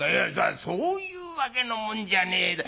「そういうわけのもんじゃねえだ